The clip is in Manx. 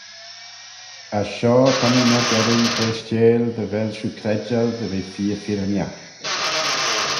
As shoh ta mee myrgeddyn treishteil dy vel shiu credjal dy ve feer firrinagh.